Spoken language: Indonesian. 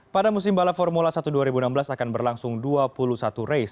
pada musim balap formula satu dua ribu enam belas akan berlangsung dua puluh satu race